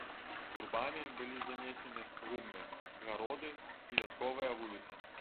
Гурбамі былі занесены гумны, гароды і вясковая вуліца.